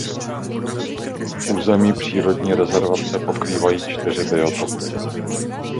Území přírodní rezervace pokrývají čtyři biotopy.